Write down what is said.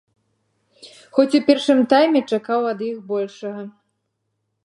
Хоць у першым тайме чакаў ад іх большага.